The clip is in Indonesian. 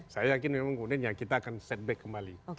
saya yakin memang kemudian ya kita akan setback kembali